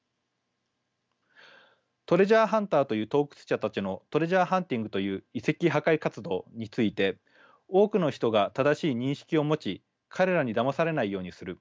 トレジャーハンターという盗掘者たちのトレジャーハンティングという遺跡破壊活動について多くの人が正しい認識を持ち彼らにだまされないようにする。